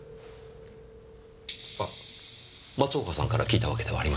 あ松岡さんから聞いたわけではありませんよ。